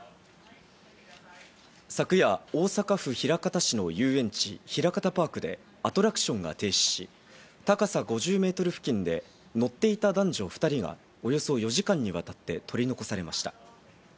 昨夜、大阪府枚方市の遊園地・ひらかたパークで、アトラクションが停止し、高さ５０メートル付近で乗っていた男女２人がおよそ４時間にわたって取り残されました。